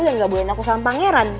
dan gabulain aku sama pangeran